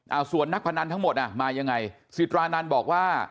เอาส่วนนักพนันทั้งหมดอ่ะมายังไงสิตรานันต์บอกว่า